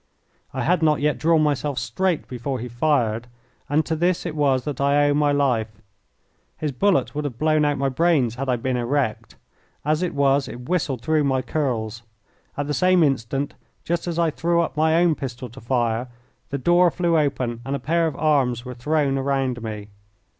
I had not yet drawn myself straight before he fired, and to this it was that I owe my life. His bullet would have blown out my brains had I been erect. As it was it whistled through my curls. At the same instant, just as I threw up my own pistol to fire, the door flew open and a pair of arms were thrown round me.